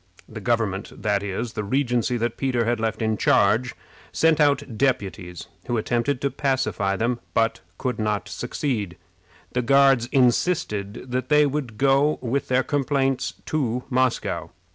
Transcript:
The government that is, the regency that Peter had left in charge sent out deputies, who attempted to pacify them, but could not succeed. The Guards insisted that they would go with their complaints to Moscow.